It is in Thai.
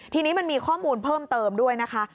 ทีนี้มันมีข้อมูลเพิ่มเติมด้วยนะคะ